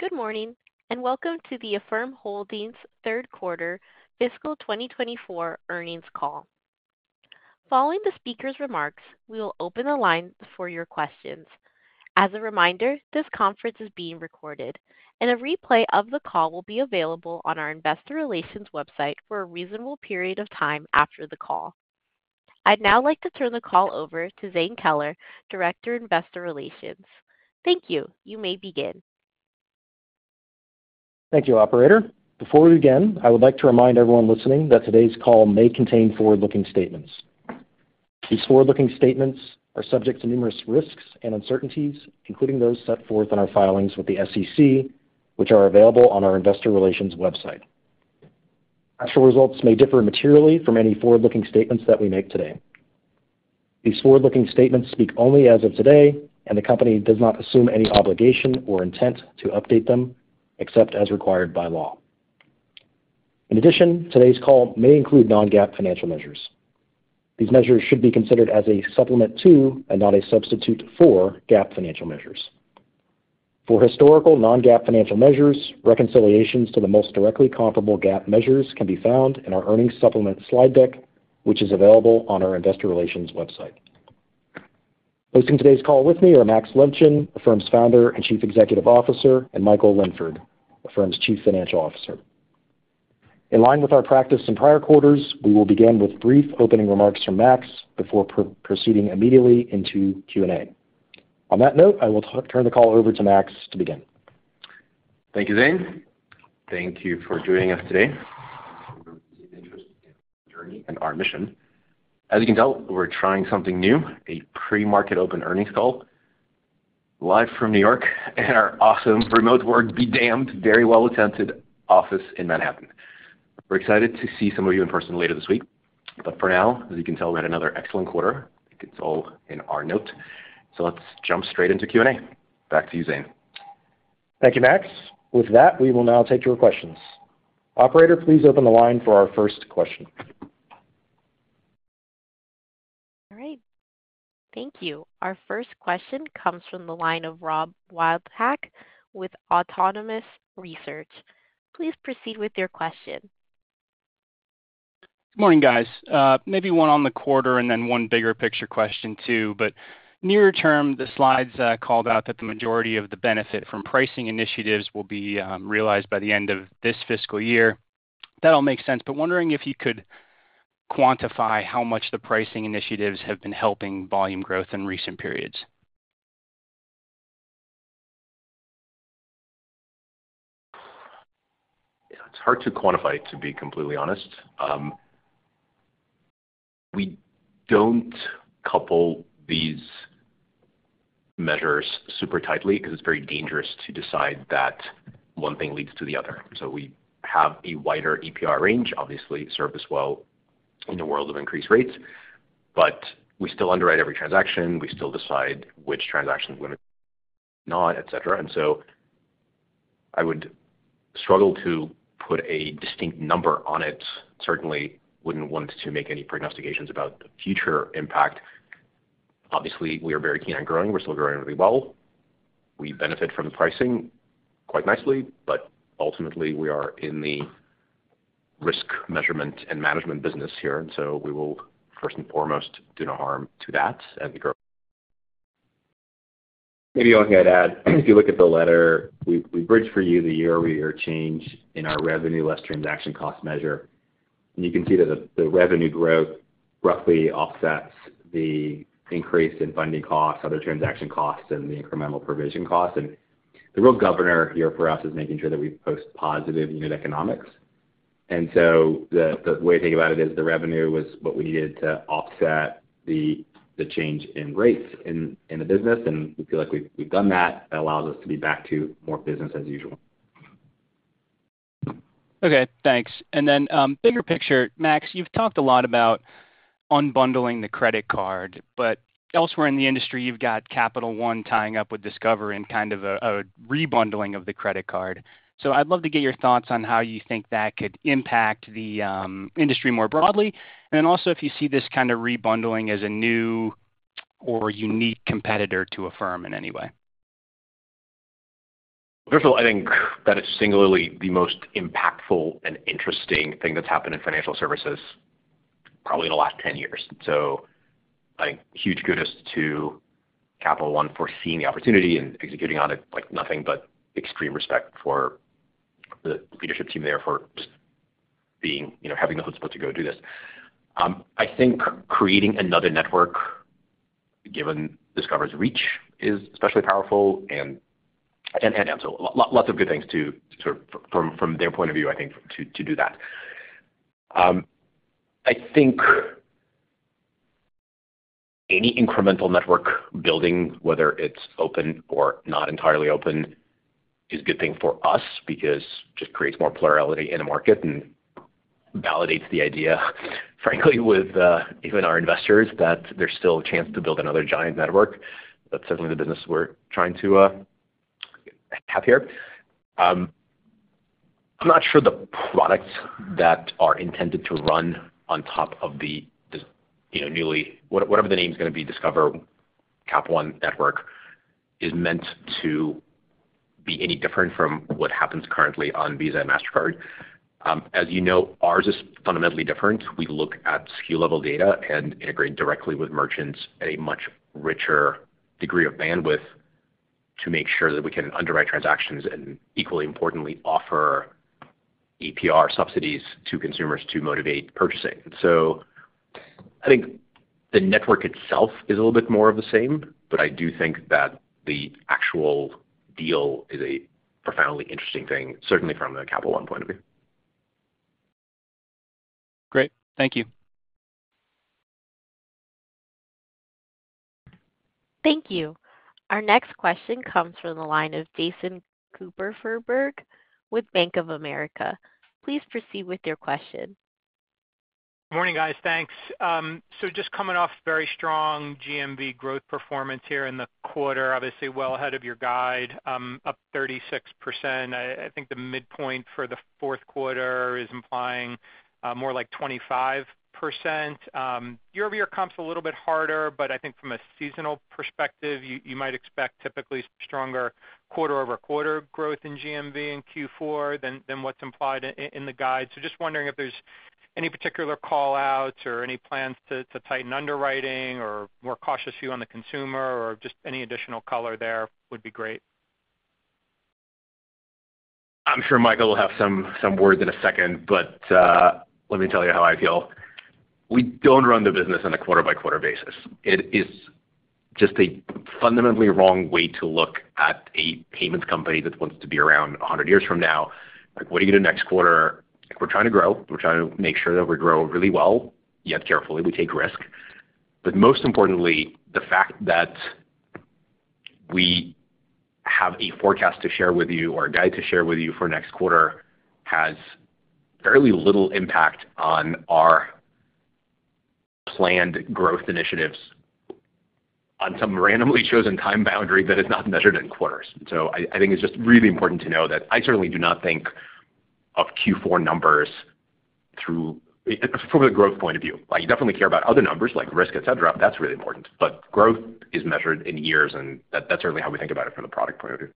Good morning and welcome to the Affirm Holdings Third Quarter Fiscal 2024 Earnings Call. Following the speaker's remarks, we will open the line for your questions. As a reminder, this conference is being recorded, and a replay of the call will be available on our investor relations website for a reasonable period of time after the call. I'd now like to turn the call over to Zane Keller, Director of Investor Relations. Thank you. You may begin. Thank you, Operator. Before we begin, I would like to remind everyone listening that today's call may contain forward-looking statements. These forward-looking statements are subject to numerous risks and uncertainties, including those set forth in our filings with the SEC, which are available on our investor relations website. Actual results may differ materially from any forward-looking statements that we make today. These forward-looking statements speak only as of today, and the company does not assume any obligation or intent to update them except as required by law. In addition, today's call may include non-GAAP financial measures. These measures should be considered as a supplement to and not a substitute for GAAP financial measures. For historical non-GAAP financial measures, reconciliations to the most directly comparable GAAP measures can be found in our earnings supplement slide deck, which is available on our investor relations website. Hosting today's call with me are Max Levchin, Affirm's Founder and Chief Executive Officer, and Michael Linford, Affirm's Chief Financial Officer. In line with our practice in prior quarters, we will begin with brief opening remarks from Max before proceeding immediately into Q&A. On that note, I will turn the call over to Max to begin. Thank you, Zane. Thank you for joining us today to represent the interests of our journey and our mission. As you can tell, we're trying something new: a pre-market open earnings call live from New York at our awesome, remote work, be damned very well-attempted office in Manhattan. We're excited to see some of you in person later this week, but for now, as you can tell, we had another excellent quarter. I think it's all in our note. So let's jump straight into Q&A. Back to you, Zane. Thank you, Max. With that, we will now take your questions. Operator, please open the line for our first question. All right. Thank you. Our first question comes from the line of Rob Wildhack with Autonomous Research. Please proceed with your question. Good morning, guys. Maybe one on the quarter and then one bigger picture question too. But near term, the slides called out that the majority of the benefit from pricing initiatives will be realized by the end of this fiscal year. That all makes sense, but wondering if you could quantify how much the pricing initiatives have been helping volume growth in recent periods? Yeah, it's hard to quantify, to be completely honest. We don't couple these measures super tightly because it's very dangerous to decide that one thing leads to the other. So we have a wider APR range, obviously, serve as well in the world of increased rates, but we still underwrite every transaction. We still decide which transactions limit or not, etc. And so I would struggle to put a distinct number on it. Certainly wouldn't want to make any prognostications about the future impact. Obviously, we are very keen on growing. We're still growing really well. We benefit from the pricing quite nicely, but ultimately, we are in the risk measurement and management business here. And so we will, first and foremost, do no harm to that as we grow. Maybe I'll go ahead and add. If you look at the letter, we bridge for you the year-over-year change in our revenue less transaction cost measure. And you can see that the revenue growth roughly offsets the increase in funding costs, other transaction costs, and the incremental provision costs. And the real governor here for us is making sure that we post positive unit economics. And so the way to think about it is the revenue was what we needed to offset the change in rates in the business, and we feel like we've done that. That allows us to be back to more business as usual. Okay. Thanks. And then bigger picture, Max, you've talked a lot about unbundling the credit card, but elsewhere in the industry, you've got Capital One tying up with Discover and kind of a rebundling of the credit card. So I'd love to get your thoughts on how you think that could impact the industry more broadly, and then also if you see this kind of rebundling as a new or unique competitor to Affirm in any way. First of all, I think that it's singularly the most impactful and interesting thing that's happened in financial services probably in the last 10 years. So I think huge kudos to Capital One for seeing the opportunity and executing on it like no one, but extreme respect for the leadership team there for just having the chutzpah to go do this. I think creating another network, given Discover's reach, is especially powerful. And so lots of good things to sort of from their point of view, I think, to do that. I think any incremental network building, whether it's open or not entirely open, is a good thing for us because just creates more plurality in a market and validates the idea, frankly, with even our investors, that there's still a chance to build another giant network. That's certainly the business we're trying to have here. I'm not sure the products that are intended to run on top of the newly whatever the name's going to be, Discover Capital One Network, is meant to be any different from what happens currently on Visa and Mastercard. As you know, ours is fundamentally different. We look at SKU-level data and integrate directly with merchants at a much richer degree of bandwidth to make sure that we can underwrite transactions and, equally importantly, offer APR subsidies to consumers to motivate purchasing. So I think the network itself is a little bit more of the same, but I do think that the actual deal is a profoundly interesting thing, certainly from the Capital One point of view. Great. Thank you. Thank you. Our next question comes from the line of Jason Kupferberg with Bank of America. Please proceed with your question. Good morning, guys. Thanks. So just coming off very strong GMV growth performance here in the quarter, obviously well ahead of your guide, up 36%. I think the midpoint for the fourth quarter is implying more like 25%. Year-over-year comes a little bit harder, but I think from a seasonal perspective, you might expect typically stronger quarter-over-quarter growth in GMV in Q4 than what's implied in the guide. So just wondering if there's any particular callouts or any plans to tighten underwriting or more cautious view on the consumer or just any additional color there would be great. I'm sure Michael will have some words in a second, but let me tell you how I feel. We don't run the business on a quarter-by-quarter basis. It is just a fundamentally wrong way to look at a payments company that wants to be around 100 years from now. What do you get in the next quarter? We're trying to grow. We're trying to make sure that we grow really well, yet carefully. We take risk. But most importantly, the fact that we have a forecast to share with you or a guide to share with you for next quarter has fairly little impact on our planned growth initiatives on some randomly chosen time boundary that is not measured in quarters. So I think it's just really important to know that I certainly do not think of Q4 numbers from a growth point of view. You definitely care about other numbers like risk, etc. That's really important. But growth is measured in years, and that's certainly how we think about it from the product point of view.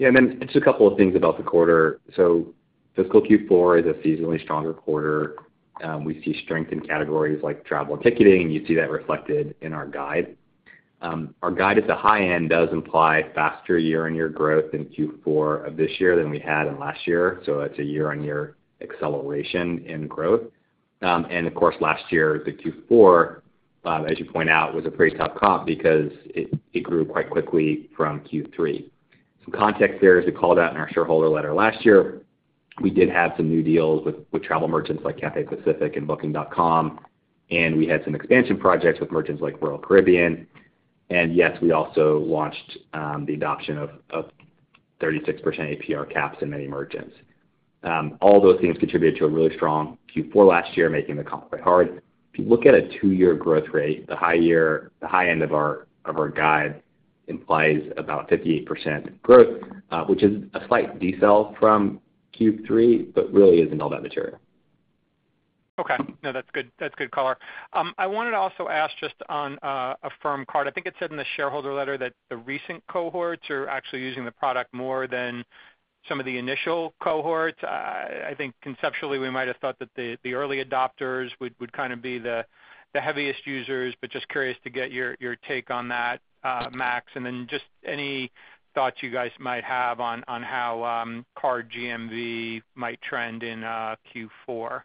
Yeah. And then it's a couple of things about the quarter. So fiscal Q4 is a seasonally stronger quarter. We see strength in categories like travel and ticketing, and you see that reflected in our guide. Our guide at the high end does imply faster year-on-year growth in Q4 of this year than we had in last year. So it's a year-on-year acceleration in growth. And of course, last year, the Q4, as you point out, was a pretty tough comp because it grew quite quickly from Q3. Some context there is we called out in our shareholder letter last year, we did have some new deals with travel merchants like Cathay Pacific and Booking.com, and we had some expansion projects with merchants like Royal Caribbean. And yes, we also launched the adoption of 36% APR caps in many merchants. All those things contributed to a really strong Q4 last year, making the comp quite hard. If you look at a two-year growth rate, the high end of our guide implies about 58% growth, which is a slight decel from Q3 but really isn't all that material. Okay. No, that's good color. I wanted to also ask just on Affirm Card. I think it said in the shareholder letter that the recent cohorts are actually using the product more than some of the initial cohorts. I think conceptually, we might have thought that the early adopters would kind of be the heaviest users, but just curious to get your take on that, Max. And then just any thoughts you guys might have on how card GMV might trend in Q4.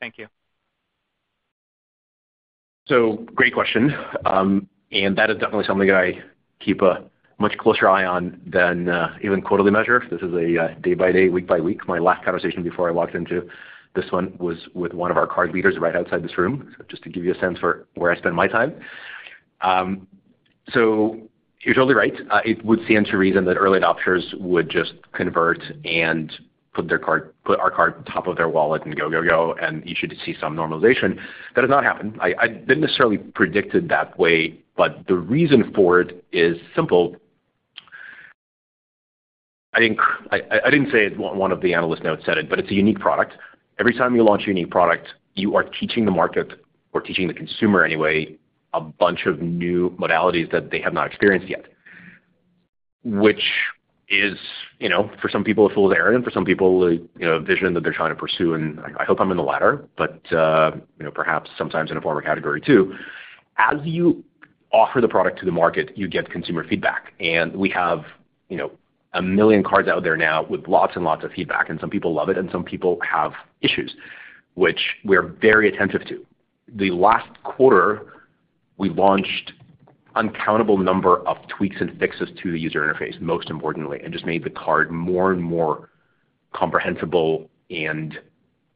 Thank you. Great question. That is definitely something that I keep a much closer eye on than even quarterly measure. This is a day-by-day, week-by-week. My last conversation before I walked into this one was with one of our card leaders right outside this room, just to give you a sense for where I spend my time. You're totally right. It would stand to reason that early adopters would just convert and put our card on top of their wallet and go, go, go, and you should see some normalization. That has not happened. I didn't necessarily predict it that way, but the reason for it is simple. I didn't say it's one of the analyst notes said it, but it's a unique product. Every time you launch a unique product, you are teaching the market or teaching the consumer anyway a bunch of new modalities that they have not experienced yet, which is, for some people, a fool's errand. For some people, a vision that they're trying to pursue, and I hope I'm in the latter, but perhaps sometimes in a former category too. As you offer the product to the market, you get consumer feedback. We have 1 million cards out there now with lots and lots of feedback, and some people love it, and some people have issues, which we are very attentive to. The last quarter, we launched an uncountable number of tweaks and fixes to the user interface, most importantly, and just made the card more and more comprehensible and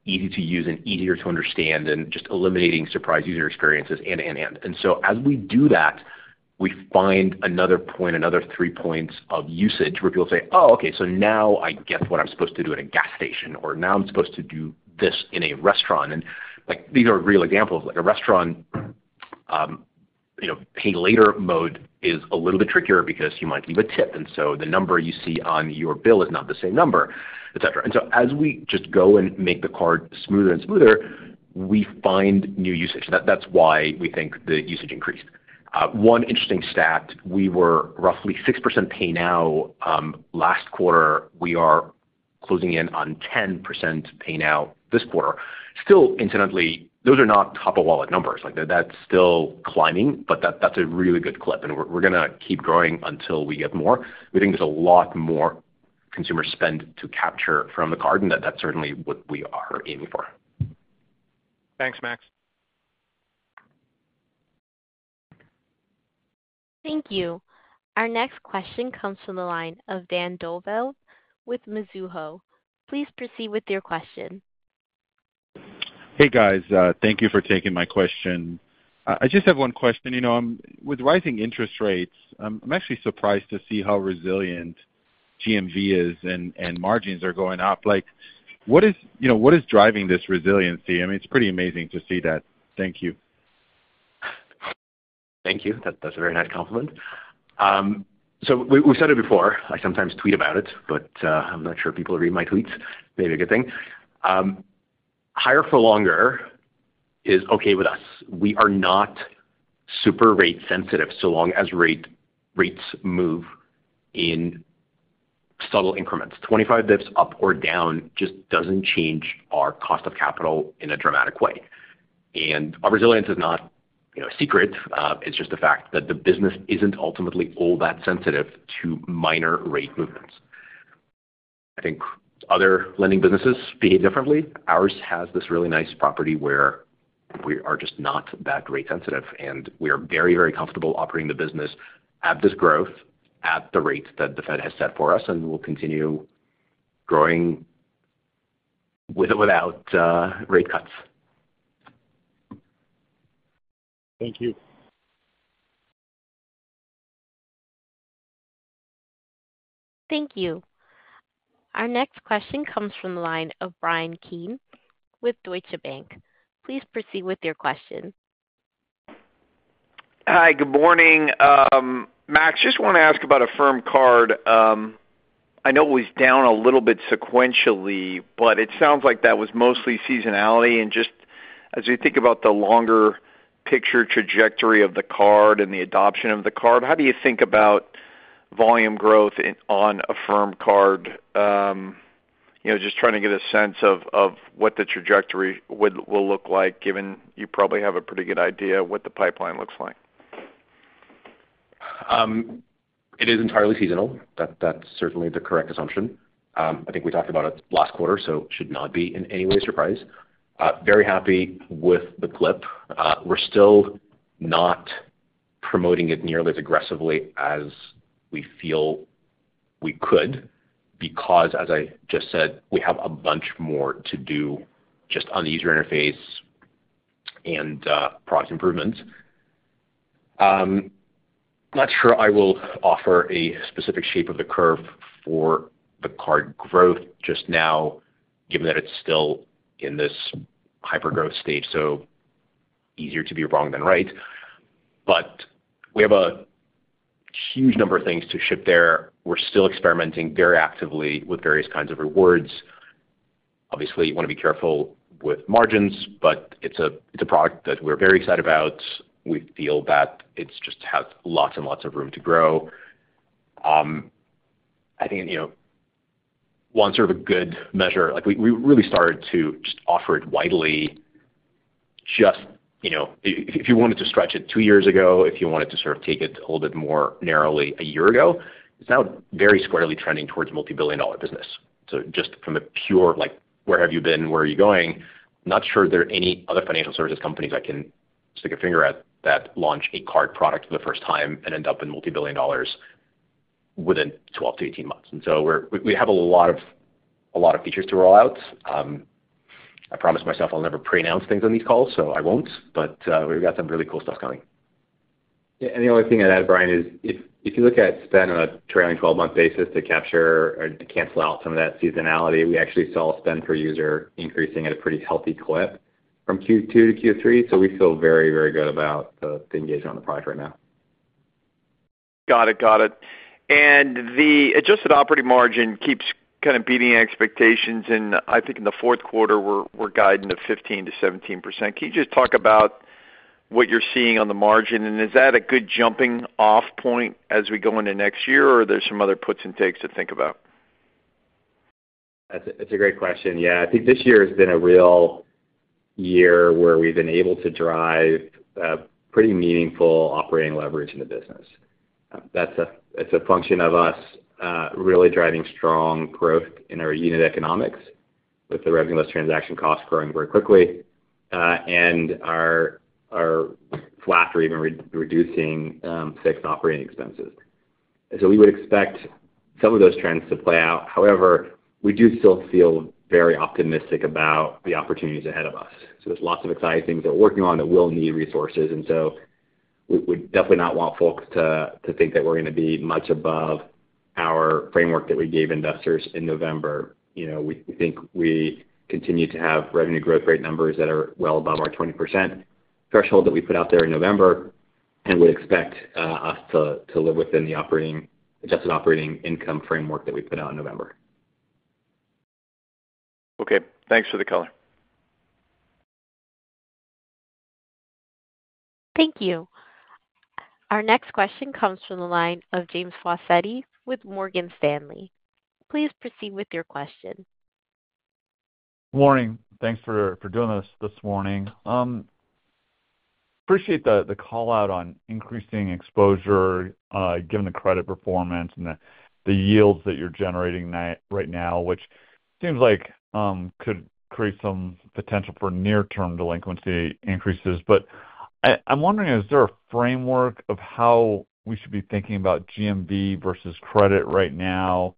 easy to use and easier to understand and just eliminating surprise user experiences and, and, and. And so as we do that, we find another point, another three points of usage where people say, "Oh, okay. So now I get what I'm supposed to do at a gas station," or, "Now I'm supposed to do this in a restaurant." And these are real examples. A restaurant Pay Later mode is a little bit trickier because you might leave a tip, and so the number you see on your bill is not the same number, etc. And so as we just go and make the card smoother and smoother, we find new usage. That's why we think the usage increased. One interesting stat, we were roughly 6% Pay Now last quarter. We are closing in on 10% Pay Now this quarter. Still, incidentally, those are not top-of-wallet numbers. That's still climbing, but that's a really good clip. And we're going to keep growing until we get more. We think there's a lot more consumer spend to capture from the card, and that's certainly what we are aiming for. Thanks, Max. Thank you. Our next question comes from the line of Dan Dolev with Mizuho. Please proceed with your question. Hey, guys. Thank you for taking my question. I just have one question. With rising interest rates, I'm actually surprised to see how resilient GMV is and margins are going up. What is driving this resiliency? I mean, it's pretty amazing to see that. Thank you. Thank you. That's a very nice compliment. So we've said it before. I sometimes tweet about it, but I'm not sure people read my tweets. Maybe a good thing. Higher for longer is okay with us. We are not super rate-sensitive so long as rates move in subtle increments. 25 basis points up or down just doesn't change our cost of capital in a dramatic way. And our resilience is not a secret. It's just a fact that the business isn't ultimately all that sensitive to minor rate movements. I think other lending businesses behave differently. Ours has this really nice property where we are just not that rate-sensitive, and we are very, very comfortable operating the business at this growth at the rate that the Fed has set for us, and we'll continue growing with or without rate cuts. Thank you. Thank you. Our next question comes from the line of Bryan Keane with Deutsche Bank. Please proceed with your question. Hi. Good morning, Max. Just want to ask about Affirm Card. I know it was down a little bit sequentially, but it sounds like that was mostly seasonality. Just as we think about the longer picture trajectory of the card and the adoption of the card, how do you think about volume growth on Affirm Card? Just trying to get a sense of what the trajectory will look like, given you probably have a pretty good idea of what the pipeline looks like. It is entirely seasonal. That's certainly the correct assumption. I think we talked about it last quarter, so it should not be in any way a surprise. Very happy with the clip. We're still not promoting it nearly as aggressively as we feel we could because, as I just said, we have a bunch more to do just on the user interface and product improvements. Not sure I will offer a specific shape of the curve for the card growth just now, given that it's still in this hyper-growth stage, so easier to be wrong than right. But we have a huge number of things to ship there. We're still experimenting very actively with various kinds of rewards. Obviously, you want to be careful with margins, but it's a product that we're very excited about. We feel that it just has lots and lots of room to grow. I think one sort of a good measure we really started to just offer it widely. Just if you wanted to stretch it two years ago, if you wanted to sort of take it a little bit more narrowly a year ago, it's now very squarely trending towards multibillion-dollar business. So just from a pure, "Where have you been? Where are you going?" I'm not sure there are any other financial services companies I can stick a finger at that launch a card product for the first time and end up in multibillion dollars within 12-18 months. And so we have a lot of features to roll out. I promised myself I'll never pre-announce things on these calls, so I won't. But we've got some really cool stuff coming. Yeah. And the only thing I'd add, Bryan, is if you look at spend on a trailing 12-month basis to capture or cancel out some of that seasonality, we actually saw spend per user increasing at a pretty healthy clip from Q2 to Q3. So we feel very, very good about the engagement on the product right now. Got it. Got it. And the adjusted operating margin keeps kind of beating expectations. And I think in the fourth quarter, we're guided to 15%-17%. Can you just talk about what you're seeing on the margin? And is that a good jumping-off point as we go into next year, or are there some other puts and takes to think about? That's a great question. Yeah. I think this year has been a real year where we've been able to drive pretty meaningful operating leverage in the business. It's a function of us really driving strong growth in our unit economics with the revenue less transaction costs growing very quickly and our flat or even reducing fixed operating expenses. And so we would expect some of those trends to play out. However, we do still feel very optimistic about the opportunities ahead of us. So there's lots of exciting things that we're working on that will need resources. And so we would definitely not want folks to think that we're going to be much above our framework that we gave investors in November. We think we continue to have revenue growth rate numbers that are well above our 20% threshold that we put out there in November and would expect us to live within the adjusted operating income framework that we put out in November. Okay. Thanks for the color. Thank you. Our next question comes from the line of James Faucette with Morgan Stanley. Please proceed with your question. Morning. Thanks for doing this this morning. Appreciate the callout on increasing exposure given the credit performance and the yields that you're generating right now, which seems like could create some potential for near-term delinquency increases. But I'm wondering, is there a framework of how we should be thinking about GMV versus credit right now?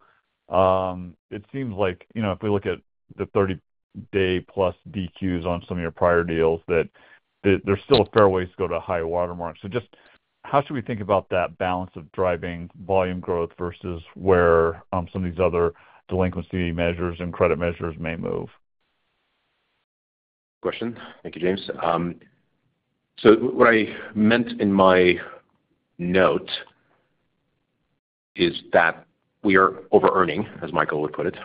It seems like if we look at the 30-day-plus DQs on some of your prior deals, that there's still a fair way to go to a higher watermark. So just how should we think about that balance of driving volume growth versus where some of these other delinquency measures and credit measures may move? Good question. Thank you, James. So what I meant in my note is that we are over-earning, as Michael would put it,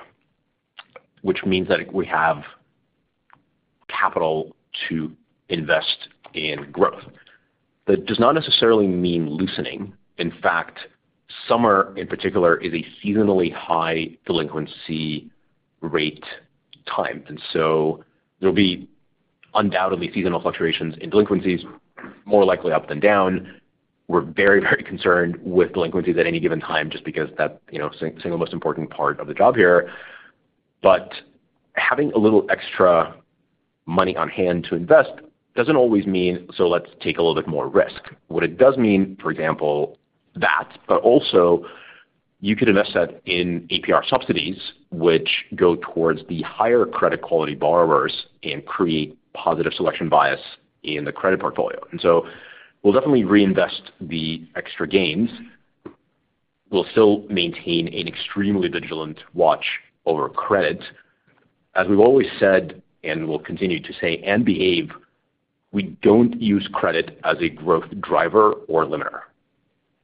which means that we have capital to invest in growth. That does not necessarily mean loosening. In fact, summer, in particular, is a seasonally high delinquency rate time. And so there will be undoubtedly seasonal fluctuations in delinquencies, more likely up than down. We're very, very concerned with delinquency at any given time just because that's the single most important part of the job here. But having a little extra money on hand to invest doesn't always mean, "So let's take a little bit more risk." What it does mean, for example, but also, you could invest that in APR subsidies, which go towards the higher credit quality borrowers and create positive selection bias in the credit portfolio. And so we'll definitely reinvest the extra gains. We'll still maintain an extremely vigilant watch over credit. As we've always said and will continue to say and behave, we don't use credit as a growth driver or limiter.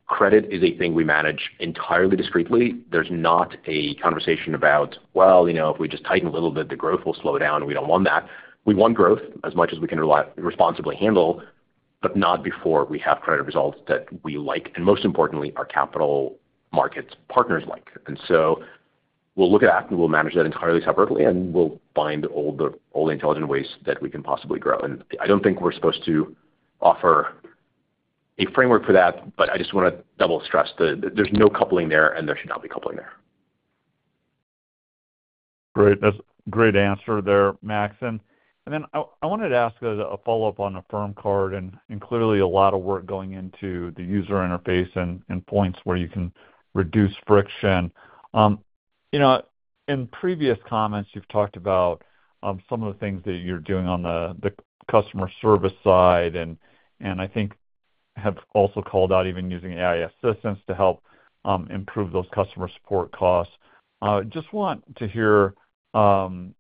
Credit is a thing we manage entirely discreetly. There's not a conversation about, "Well, if we just tighten a little bit, the growth will slow down. We don't want that." We want growth as much as we can responsibly handle, but not before we have credit results that we like and, most importantly, our capital markets partners like. And so we'll look at that, and we'll manage that entirely separately, and we'll find all the intelligent ways that we can possibly grow. And I don't think we're supposed to offer a framework for that, but I just want to double-stress that there's no coupling there, and there should not be coupling there. Great. That's a great answer there, Max. Then I wanted to ask a follow-up on Affirm Card. Clearly, a lot of work going into the user interface and points where you can reduce friction. In previous comments, you've talked about some of the things that you're doing on the customer service side, and I think have also called out even using AI assistance to help improve those customer support costs. I just want to hear from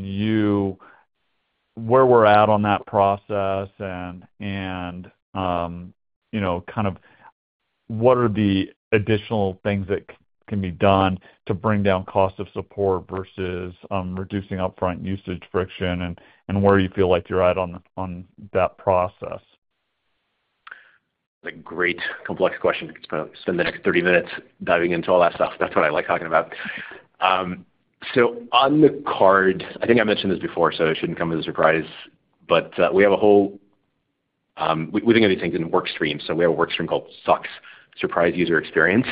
you where we're at on that process and kind of what are the additional things that can be done to bring down cost of support versus reducing upfront usage friction, and where you feel like you're at on that process. That's a great, complex question. I could spend the next 30 minutes diving into all that stuff. That's what I like talking about. So on the card, I think I mentioned this before, so it shouldn't come as a surprise, but we have a whole we think of these things in workstreams. So we have a workstream called SUX, Surprise User Experience.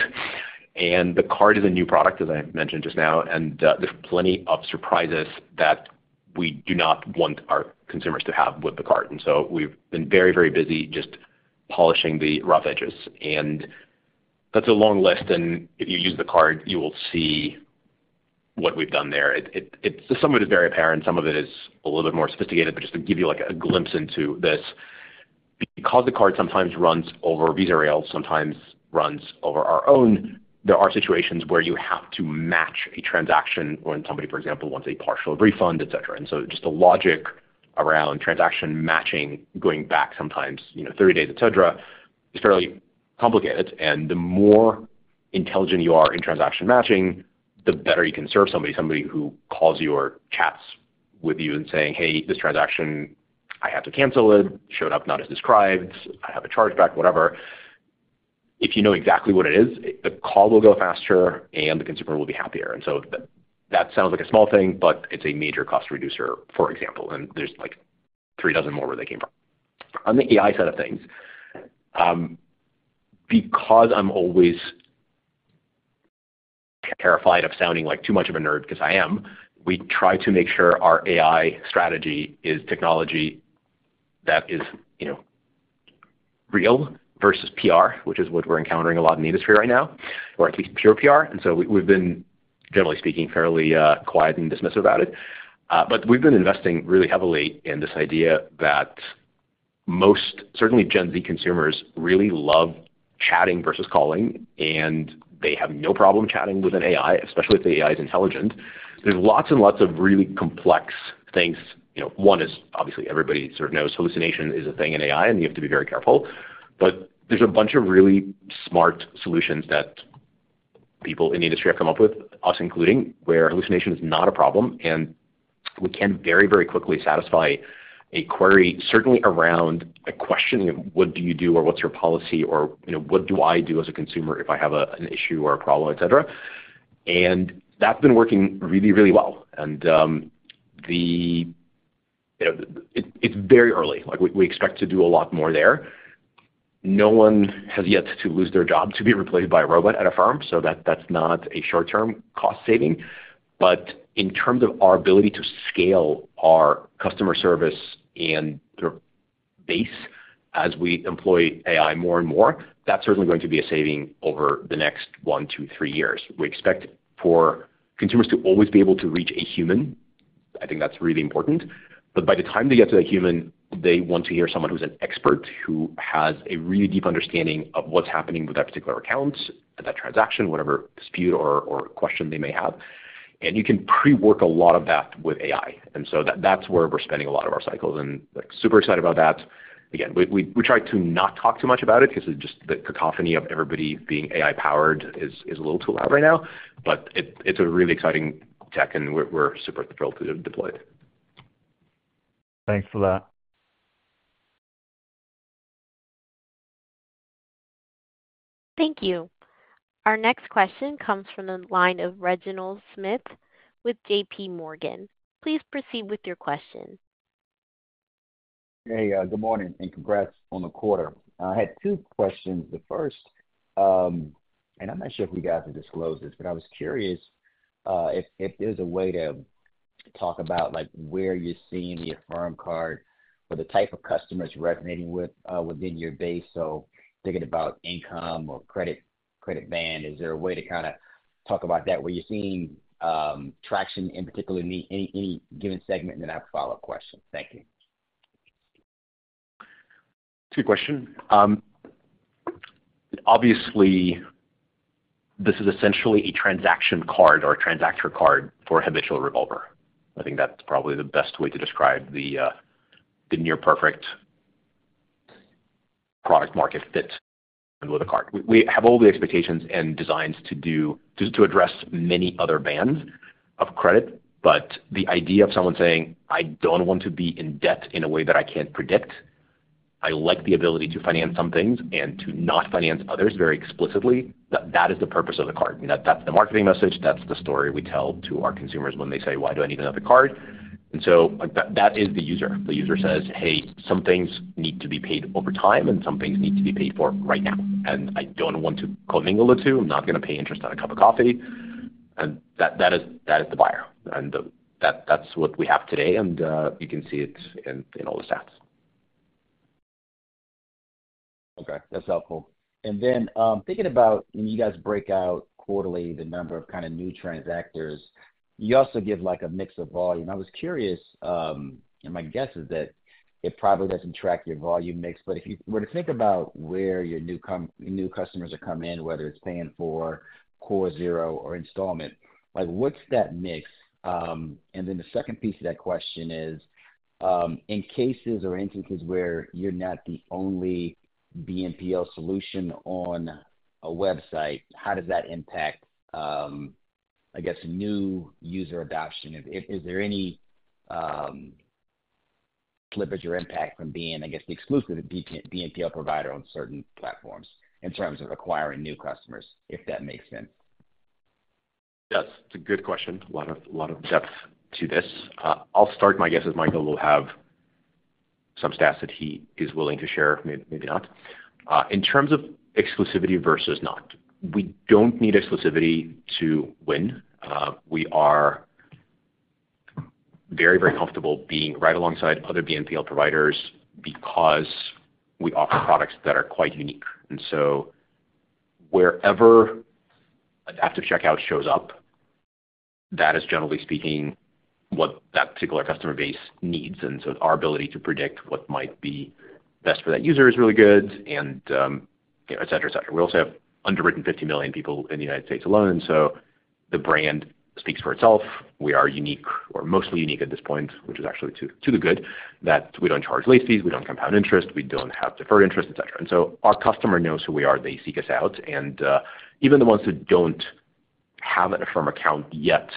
And the card is a new product, as I mentioned just now, and there's plenty of surprises that we do not want our consumers to have with the card. And so we've been very, very busy just polishing the rough edges. And that's a long list. And if you use the card, you will see what we've done there. To some of it, it's very apparent. Some of it is a little bit more sophisticated. But just to give you a glimpse into this, because the card sometimes runs over Visa rails, sometimes runs over our own, there are situations where you have to match a transaction when somebody, for example, wants a partial refund, etc. And so just the logic around transaction matching, going back sometimes 30 days, etc., is fairly complicated. And the more intelligent you are in transaction matching, the better you can serve somebody, somebody who calls you or chats with you and saying, "Hey, this transaction, I had to cancel it. Showed up not as described. I have a chargeback," whatever. If you know exactly what it is, the call will go faster, and the consumer will be happier. And so that sounds like a small thing, but it's a major cost reducer, for example. And there's like three dozen more where they came from. On the AI side of things, because I'm always terrified of sounding like too much of a nerd because I am, we try to make sure our AI strategy is technology that is real versus PR, which is what we're encountering a lot in the industry right now, or at least pure PR. And so we've been, generally speaking, fairly quiet and dismissive about it. But we've been investing really heavily in this idea that most, certainly Gen Z consumers, really love chatting versus calling, and they have no problem chatting with an AI, especially if the AI is intelligent. There's lots and lots of really complex things. One is, obviously, everybody sort of knows hallucination is a thing in AI, and you have to be very careful. But there's a bunch of really smart solutions that people in the industry have come up with, us including, where hallucination is not a problem, and we can very, very quickly satisfy a query, certainly around a question of, "What do you do?" or, "What's your policy?" or, "What do I do as a consumer if I have an issue or a problem, etc.?" And that's been working really, really well. And it's very early. We expect to do a lot more there. No one has yet to lose their job to be replaced by a robot at Affirm, so that's not a short-term cost saving. But in terms of our ability to scale our customer service and sort of base as we employ AI more and more, that's certainly going to be a saving over the next 1, 2, 3 years. We expect for consumers to always be able to reach a human. I think that's really important. But by the time they get to that human, they want to hear someone who's an expert who has a really deep understanding of what's happening with that particular account, that transaction, whatever dispute or question they may have. And you can pre-work a lot of that with AI. And so that's where we're spending a lot of our cycles. And super excited about that. Again, we try to not talk too much about it because just the cacophony of everybody being AI-powered is a little too loud right now. But it's a really exciting tech, and we're super thrilled to deploy it. Thanks for that. Thank you. Our next question comes from the line of Reginald Smith with J.P. Morgan. Please proceed with your question. Hey, good morning, and congrats on the quarter. I had two questions. The first, and I'm not sure if we got to disclose this, but I was curious if there's a way to talk about where you're seeing the Affirm Card for the type of customers resonating with within your base. So thinking about income or credit band, is there a way to kind of talk about that where you're seeing traction, in particular, in any given segment? And then I have a follow-up question. Thank you. Two questions. Obviously, this is essentially a transaction card or a transactor card for habitual revolver. I think that's probably the best way to describe the near-perfect product-market fit with a card. We have all the expectations and designs to address many other bands of credit. But the idea of someone saying, "I don't want to be in debt in a way that I can't predict. I like the ability to finance some things and to not finance others very explicitly," that is the purpose of the card. That's the marketing message. That's the story we tell to our consumers when they say, "Why do I need another card?" And so that is the user. The user says, "Hey, some things need to be paid over time, and some things need to be paid for right now. And I don't want to co-mingle the two. I'm not going to pay interest on a cup of coffee." That is the buyer. That's what we have today, and you can see it in all the stats. Okay. That's helpful. And then thinking about when you guys break out quarterly the number of kind of new transactors, you also give a mix of volume. I was curious, and my guess is that it probably doesn't track your volume mix. But if you were to think about where your new customers are coming in, whether it's paying for Core 0% or installment, what's that mix? And then the second piece of that question is, in cases or instances where you're not the only BNPL solution on a website, how does that impact, I guess, new user adoption? Is there any slippage or impact from being, I guess, the exclusive BNPL provider on certain platforms in terms of acquiring new customers, if that makes sense? Yes. It's a good question. A lot of depth to this. I'll start my guesses. Michael will have some stats that he is willing to share, maybe not. In terms of exclusivity versus not, we don't need exclusivity to win. We are very, very comfortable being right alongside other BNPL providers because we offer products that are quite unique. And so wherever Adaptive Checkout shows up, that is, generally speaking, what that particular customer base needs. And so our ability to predict what might be best for that user is really good, and etc., etc. We also have underwritten 50 million people in the United States alone. So the brand speaks for itself. We are unique or mostly unique at this point, which is actually to the good, that we don't charge late fees. We don't compound interest. We don't have deferred interest, etc. Our customer knows who we are. They seek us out. Even the ones that don't have an Affirm account yet,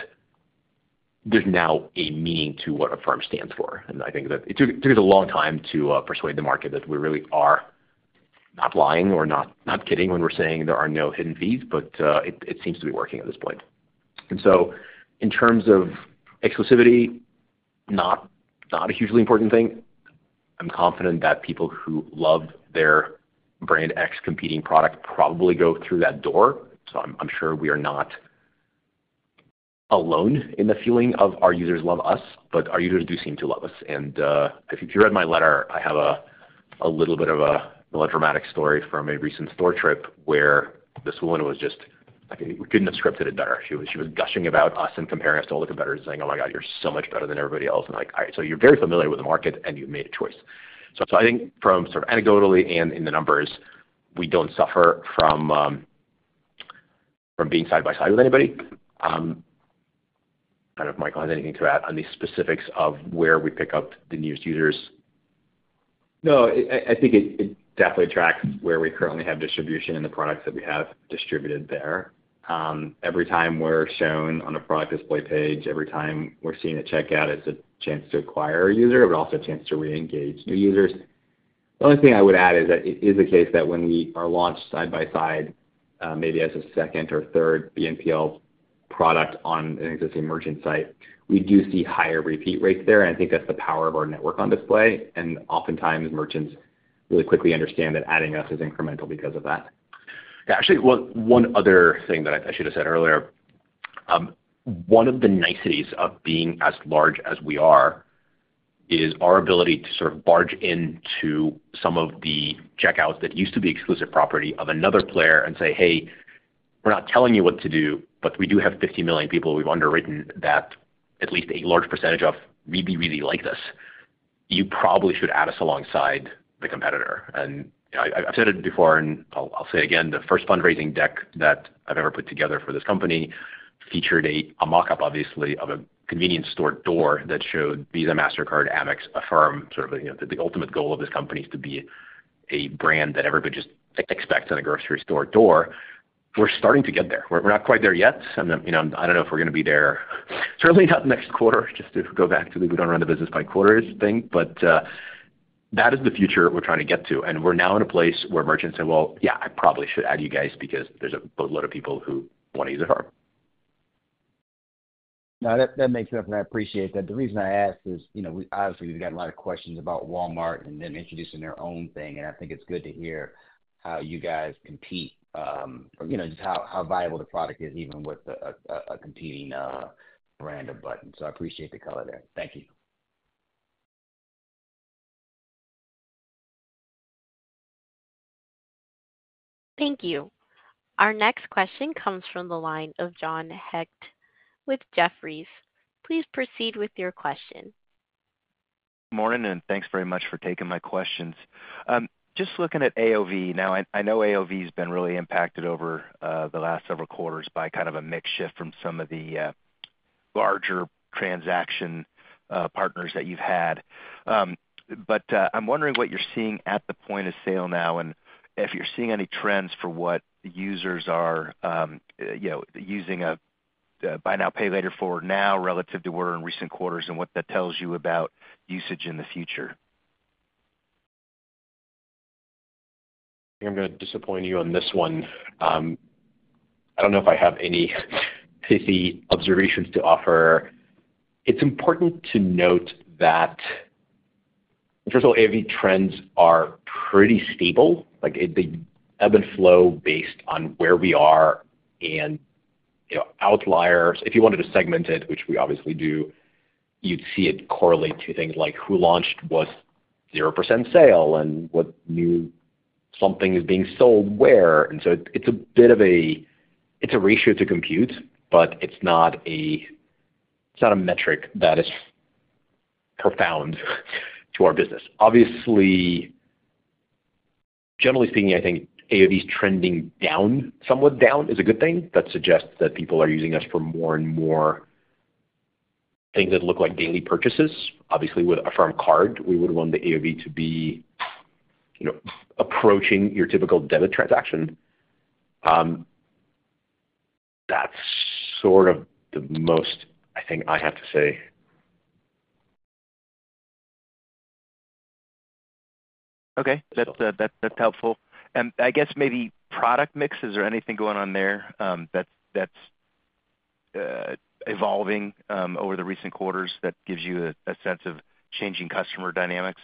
there's now a meaning to what Affirm stands for. I think that it took us a long time to persuade the market that we really are not lying or not kidding when we're saying there are no hidden fees, but it seems to be working at this point. In terms of exclusivity, not a hugely important thing. I'm confident that people who love their brand X competing product probably go through that door. I'm sure we are not alone in the feeling of our users love us, but our users do seem to love us. If you read my letter, I have a little bit of a melodramatic story from a recent store trip where this woman was just, we couldn't have scripted it better. She was gushing about us and comparing us to all the competitors and saying, "Oh my God, you're so much better than everybody else." And I'm like, "All right. So you're very familiar with the market, and you've made a choice." So I think from sort of anecdotally and in the numbers, we don't suffer from being side by side with anybody. I don't know if Michael has anything to add on these specifics of where we pick up the newest users. No. I think it definitely tracks where we currently have distribution and the products that we have distributed there. Every time we're shown on a product display page, every time we're seeing a checkout, it's a chance to acquire a user, but also a chance to re-engage new users. The only thing I would add is that it is the case that when we are launched side by side, maybe as a second or third BNPL product on an existing merchant site, we do see higher repeat rates there. And I think that's the power of our network on display. And oftentimes, merchants really quickly understand that adding us is incremental because of that. Yeah. Actually, one other thing that I should have said earlier, one of the niceties of being as large as we are is our ability to sort of barge into some of the checkouts that used to be exclusive property of another player and say, "Hey, we're not telling you what to do, but we do have 50 million people. We've underwritten that at least a large percentage of really, really like this. You probably should add us alongside the competitor." And I've said it before, and I'll say it again. The first fundraising deck that I've ever put together for this company featured a mock-up, obviously, of a convenience store door that showed Visa, Mastercard, Amex, Affirm, sort of the ultimate goal of this company is to be a brand that everybody just expects on a grocery store door. We're starting to get there. We're not quite there yet. And I don't know if we're going to be there, certainly not next quarter, just to go back to the, "We don't run the business by quarters," thing. But that is the future we're trying to get to. And we're now in a place where merchants say, "Well, yeah, I probably should add you guys because there's a load of people who want to use Affirm. No, that makes sense. And I appreciate that. The reason I asked is, obviously, we've got a lot of questions about Walmart and them introducing their own thing. And I think it's good to hear how you guys compete, just how viable the product is even with a competing brand of button. So I appreciate the color there. Thank you. Thank you. Our next question comes from the line of John Hecht with Jefferies. Please proceed with your question. Morning, and thanks very much for taking my questions. Just looking at AOV now, I know AOV has been really impacted over the last several quarters by kind of a mix shift from some of the larger transaction partners that you've had. But I'm wondering what you're seeing at the point of sale now and if you're seeing any trends for what users are using a buy now, pay later forward now relative to where we're in recent quarters and what that tells you about usage in the future. I think I'm going to disappoint you on this one. I don't know if I have any safety observations to offer. It's important to note that, first of all, AOV trends are pretty stable. They ebb and flow based on where we are and outliers. If you wanted to segment it, which we obviously do, you'd see it correlate to things like who launched was 0% sale and what new something is being sold where. And so it's a bit of a ratio to compute, but it's not a metric that is profound to our business. Obviously, generally speaking, I think AOV is trending down. Somewhat down is a good thing. That suggests that people are using us for more and more things that look like daily purchases. Obviously, with Affirm Card, we would want the AOV to be approaching your typical debit transaction. That's sort of the most, I think, I have to say. Okay. That's helpful. I guess maybe product mix. Is there anything going on there that's evolving over the recent quarters that gives you a sense of changing customer dynamics?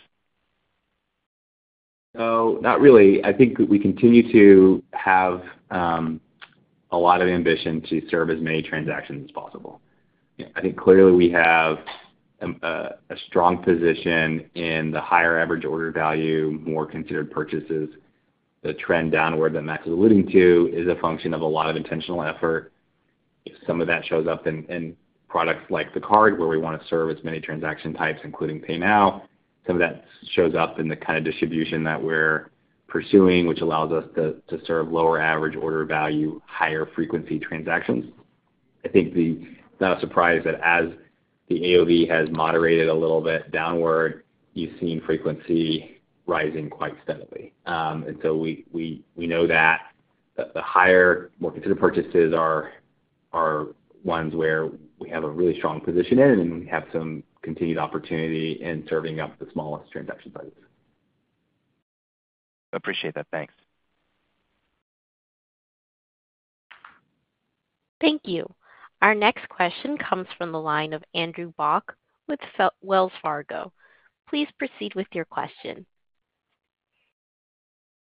No, not really. I think we continue to have a lot of ambition to serve as many transactions as possible. I think clearly, we have a strong position in the higher average order value, more considered purchases. The trend downward that Max is alluding to is a function of a lot of intentional effort. Some of that shows up in products like the card where we want to serve as many transaction types, including pay now. Some of that shows up in the kind of distribution that we're pursuing, which allows us to serve lower average order value, higher frequency transactions. I think it's not a surprise that as the AOV has moderated a little bit downward, you've seen frequency rising quite steadily. And so we know that the higher, more considered purchases are ones where we have a really strong position in, and we have some continued opportunity in serving up the smallest transaction sizes. Appreciate that. Thanks. Thank you. Our next question comes from the line of Andrew Bauch with Wells Fargo. Please proceed with your question.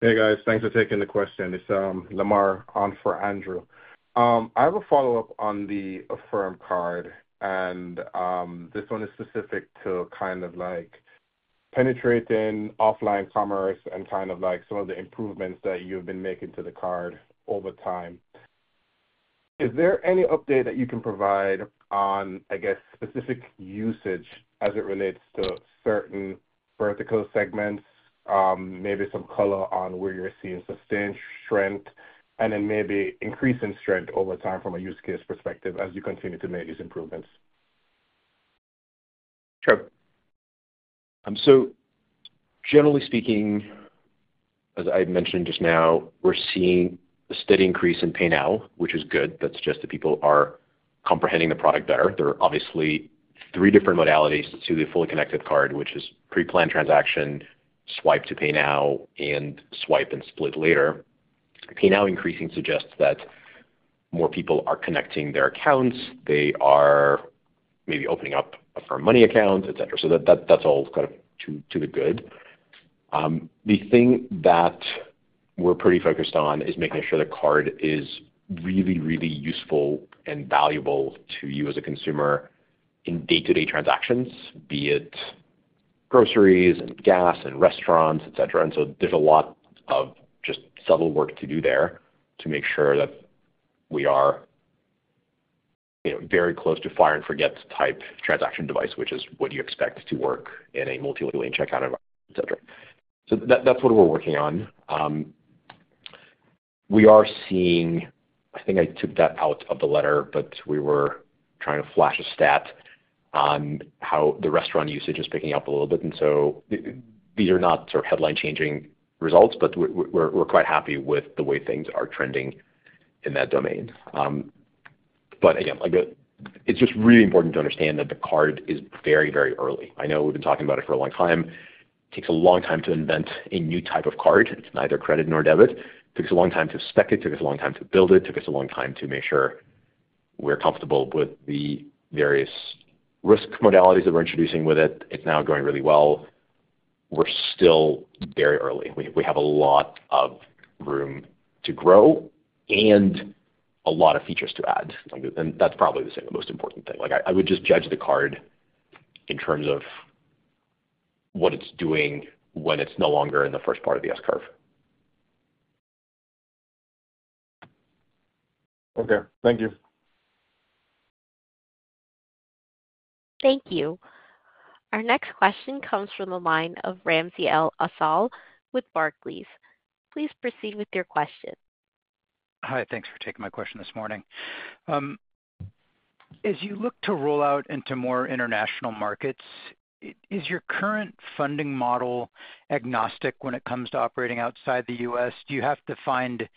Hey, guys. Thanks for taking the question. It's Lamar on for Andrew. I have a follow-up on the Affirm Card, and this one is specific to kind of penetrating offline commerce and kind of some of the improvements that you've been making to the card over time. Is there any update that you can provide on, I guess, specific usage as it relates to certain vertical segments, maybe some color on where you're seeing sustained strength, and then maybe increasing strength over time from a use case perspective as you continue to make these improvements? Sure. So generally speaking, as I mentioned just now, we're seeing a steady increase in Pay Now, which is good. That suggests that people are comprehending the product better. There are obviously three different modalities to the fully connected card, which is pre-plan transaction, swipe to Pay Now, and swipe and split later. Pay Now increasing suggests that more people are connecting their accounts. They are maybe opening up Affirm Money Accounts, etc. So that's all kind of to the good. The thing that we're pretty focused on is making sure the card is really, really useful and valuable to you as a consumer in day-to-day transactions, be it groceries and gas and restaurants, etc. So there's a lot of just subtle work to do there to make sure that we are very close to fire-and-forget type transaction device, which is what you expect to work in a multi-lane checkout, etc. So that's what we're working on. We are seeing I think I took that out of the letter, but we were trying to flash a stat on how the restaurant usage is picking up a little bit. So these are not sort of headline-changing results, but we're quite happy with the way things are trending in that domain. But again, it's just really important to understand that the card is very, very early. I know we've been talking about it for a long time. It takes a long time to invent a new type of card. It's neither credit nor debit. It took us a long time to spec it. It took us a long time to build it. It took us a long time to make sure we're comfortable with the various risk modalities that we're introducing with it. It's now going really well. We're still very early. We have a lot of room to grow and a lot of features to add. That's probably the most important thing. I would just judge the card in terms of what it's doing when it's no longer in the first part of the S-curve. Okay. Thank you. Thank you. Our next question comes from the line of Ramsey El-Assal with Barclays. Please proceed with your question. Hi. Thanks for taking my question this morning. As you look to roll out into more international markets, is your current funding model agnostic when it comes to operating outside the U.S.? Do you have to find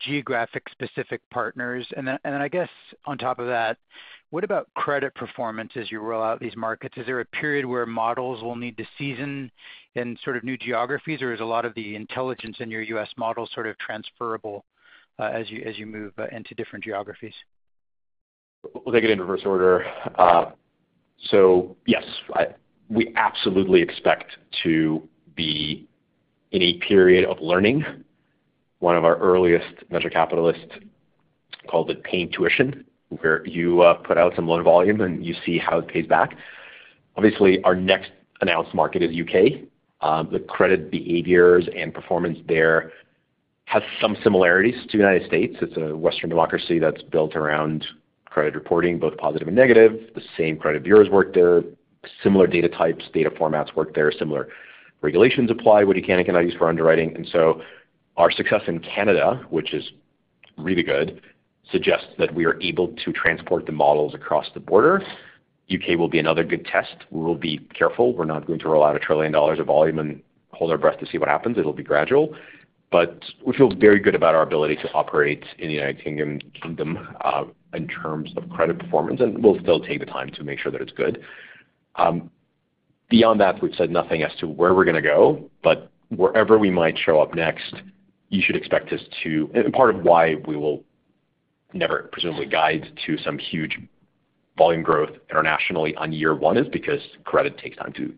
geographic-specific partners? And then I guess on top of that, what about credit performance as you roll out these markets? Is there a period where models will need to season in sort of new geographies, or is a lot of the intelligence in your U.S. model sort of transferable as you move into different geographies? We'll take it in reverse order. So yes, we absolutely expect to be in a period of learning. One of our earliest venture capitalists called it paying tuition, where you put out some loan volume and you see how it pays back. Obviously, our next announced market is UK. The credit behaviors and performance there has some similarities to the United States. It's a Western democracy that's built around credit reporting, both positive and negative. The same credit bureaus work there. Similar data types, data formats work there. Similar regulations apply. What you can and cannot use for underwriting? And so our success in Canada, which is really good, suggests that we are able to transport the models across the border. UK will be another good test. We will be careful. We're not going to roll out $1 trillion of volume and hold our breath to see what happens. It'll be gradual. But we feel very good about our ability to operate in the United Kingdom in terms of credit performance, and we'll still take the time to make sure that it's good. Beyond that, we've said nothing as to where we're going to go. But wherever we might show up next, you should expect us to and part of why we will never, presumably, guide to some huge volume growth internationally on year one is because credit takes time to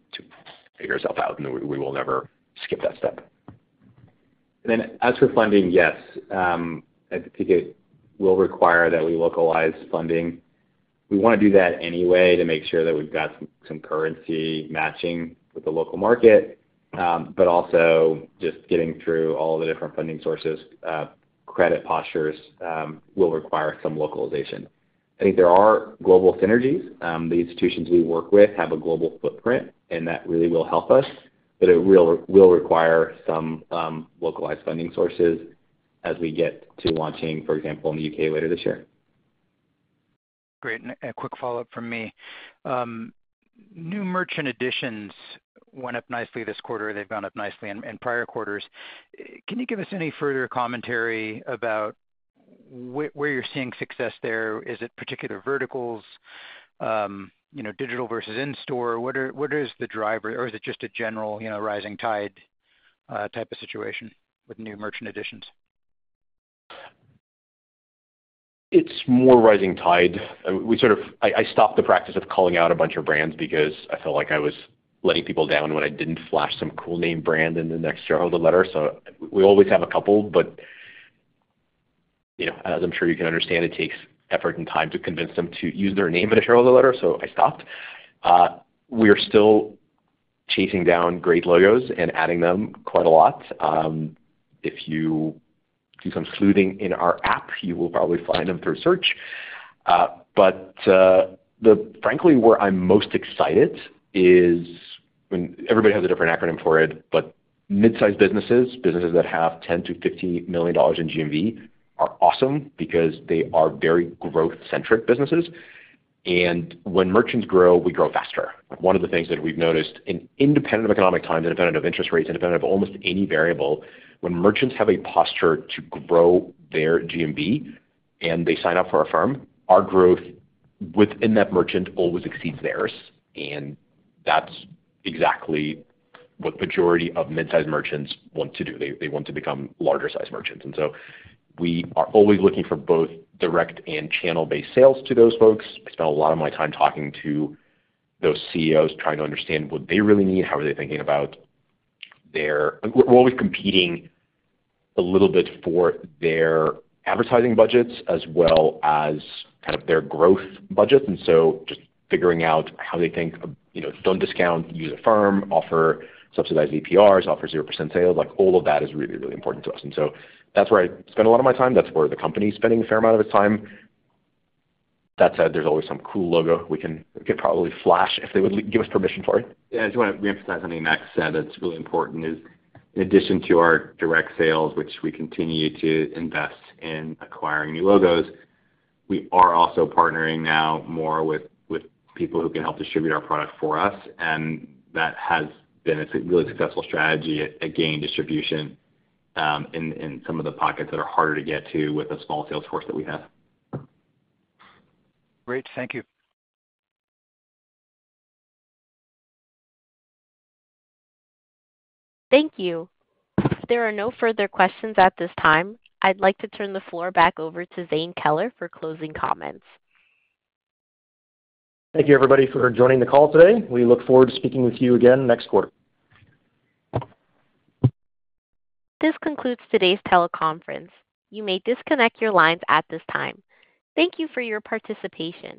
figure itself out, and we will never skip that step. Then as for funding, yes, I think it will require that we localize funding. We want to do that anyway to make sure that we've got some currency matching with the local market. But also just getting through all the different funding sources, credit postures will require some localization. I think there are global synergies. The institutions we work with have a global footprint, and that really will help us. But it will require some localized funding sources as we get to launching, for example, in the UK later this year. Great. A quick follow-up from me. New merchant additions went up nicely this quarter. They've gone up nicely in prior quarters. Can you give us any further commentary about where you're seeing success there? Is it particular verticals, digital versus in-store? What is the driver, or is it just a general rising tide type of situation with new merchant additions? It's more rising tide. I stopped the practice of calling out a bunch of brands because I felt like I was letting people down when I didn't flash some cool name brand in the next shareholder letter. So we always have a couple, but as I'm sure you can understand, it takes effort and time to convince them to use their name in a shareholder letter, so I stopped. We are still chasing down great logos and adding them quite a lot. If you do some sleuthing in our app, you will probably find them through search. But frankly, where I'm most excited is everybody has a different acronym for it, but midsize businesses, businesses that have $10 million-$15 million in GMV, are awesome because they are very growth-centric businesses. And when merchants grow, we grow faster. One of the things that we've noticed is independent of economic times, independent of interest rates, independent of almost any variable, when merchants have a posture to grow their GMV and they sign up for Affirm, our growth within that merchant always exceeds theirs. And that's exactly what the majority of midsize merchants want to do. They want to become larger-size merchants. And so we are always looking for both direct and channel-based sales to those folks. I spent a lot of my time talking to those CEOs trying to understand what they really need. How are they thinking about their we're always competing a little bit for their advertising budgets as well as kind of their growth budgets. And so just figuring out how they think, "Don't discount. Use Affirm. Offer subsidized APRs. Offer 0% sales." All of that is really, really important to us. And so that's where I spend a lot of my time. That's where the company is spending a fair amount of its time. That said, there's always some cool logo we could probably flash if they would give us permission for it. Yeah. I just want to reemphasize something Max said that's really important is in addition to our direct sales, which we continue to invest in acquiring new logos, we are also partnering now more with people who can help distribute our product for us. And that has been a really successful strategy at gaining distribution in some of the pockets that are harder to get to with a small sales force that we have. Great. Thank you. Thank you. If there are no further questions at this time, I'd like to turn the floor back over to Zane Keller for closing comments. Thank you, everybody, for joining the call today. We look forward to speaking with you again next quarter. This concludes today's teleconference. You may disconnect your lines at this time. Thank you for your participation.